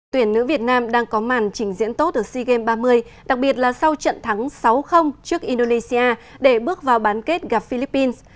tuyển nữ việt nam đang có màn trình diễn tốt ở sea games ba mươi đặc biệt là sau trận thắng sáu trước indonesia để bước vào bán kết gặp philippines